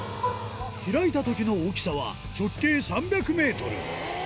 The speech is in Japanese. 開いたときの大きさは直径３００ｍそうですね。